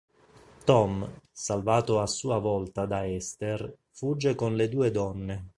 Tom, salvato a sua volta da Hester, fugge con le due donne.